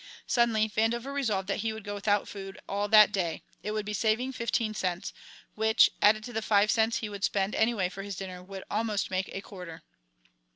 Suddenly Vandover resolved that he would go without food all that day; it would be a saving of fifteen cents, which, added to the five cents that he would spend anyway for his dinner, would almost make a quarter.